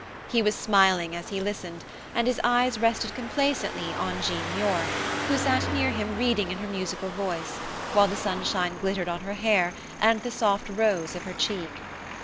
He was smiling as he listened, and his eyes rested complacently on Jean Muir, who sat near him reading in her musical voice, while the sunshine glittered on her hair and the soft rose of her cheek.